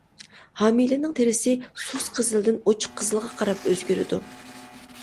ھامىلىنىڭ تېرىسى سۇس قىزىلدىن ئوچۇق قىزىلغا قاراپ ئۆزگىرىدۇ.